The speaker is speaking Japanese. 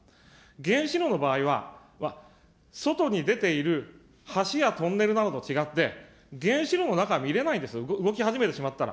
原子炉の場合は、外に出ている橋やトンネルなどと違って、原子炉の中見れないですよ、動き始めてしまったら。